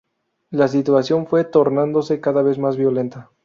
La situación fue tornándose cada vez más violenta.